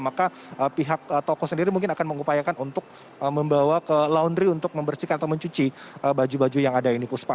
maka pihak toko sendiri mungkin akan mengupayakan untuk membawa ke laundry untuk membersihkan atau mencuci baju baju yang ada ini puspa